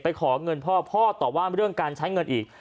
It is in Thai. ไปขอเงินเพราะพ่อตอบว่าเรื่องการใช้งึงอีก